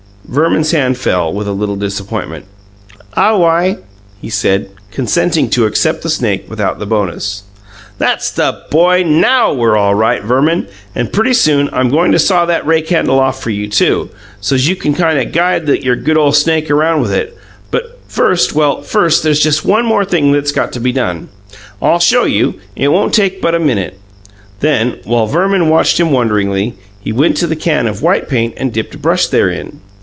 Verman's hand fell, with a little disappointment. "Aw wi," he said, consenting to accept the snake without the bonus. "That's the boy! NOW we're all right, Verman; and pretty soon I'm goin' to saw that rake handle off for you, too; so's you can kind o' guide your good ole snake around with it; but first well, first there's just one more thing's got to be done. I'll show you it won't take but a minute." Then, while Verman watched him wonderingly, he went to the can of white paint and dipped a brush therein.